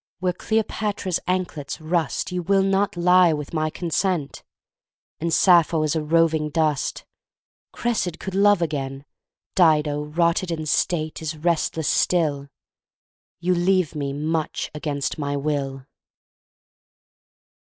Where Cleopatra's anklets rust You will not lie with my consent; And Sappho is a roving dust; Cressid could love again; Dido, Rotted in state, is restless still; You leave me much against my will.